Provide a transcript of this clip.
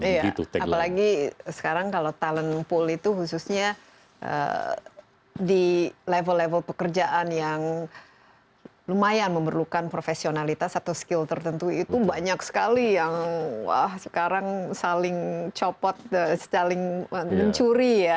iya apalagi sekarang kalau talent pool itu khususnya di level level pekerjaan yang lumayan memerlukan profesionalitas atau skill tertentu itu banyak sekali yang wah sekarang saling copot saling mencuri ya